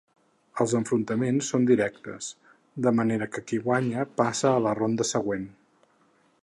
Els enfrontaments són directes, de manera que qui guanya, passa a la ronda següent.